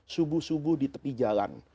subuh subuh di tepi jalan